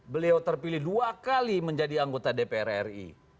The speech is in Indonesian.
beliau terpilih dua kali menjadi anggota dpr ri